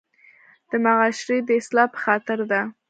د معاشري د اصلاح پۀ خاطر ده